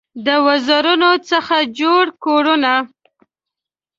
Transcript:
د وزرونو څخه جوړ کورونه